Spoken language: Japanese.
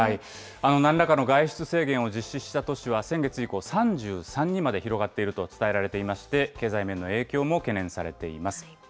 なんらかの外出制限を実施した都市は先月以降３３にまで広がっていると伝えられていまして、経済面の影響も懸念されています。